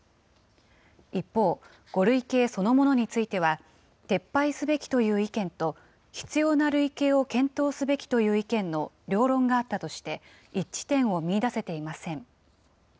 一方、５類型そのものについては撤廃すべきという意見と、必要な類型を検討すべきという意見の両論があったとして、一致点を見いだせていません。